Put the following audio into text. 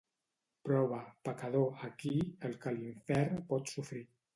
Prova, pecador, aquí, el que a l'infern pots sofrir.